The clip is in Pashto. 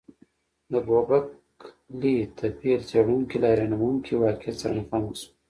د ګوبک لي تپې څېړونکي له حیرانوونکي واقعیت سره مخامخ شول.